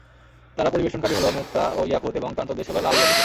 তার পরিবেষ্টনকারী হলো মুক্তা ও ইয়াকুত এবং প্রান্তদেশ হলো লাল ইয়াকুতের।